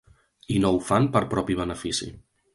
I no ho fan per propi benefici.